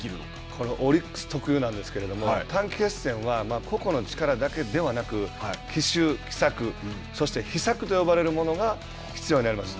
これはオリックス特有なんですけれども、短期決戦は、個々の力だけではなく、奇襲、奇策、そして秘策と呼ばれるものが必要になります。